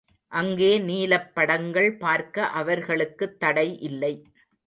அங்கே நீலப்படங்கள் பார்க்க அவர்களுக்குத் தடை இல்லை.